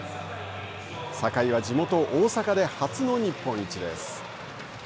坂井は地元大阪で初の日本一です。